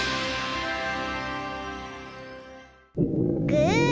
ぐ！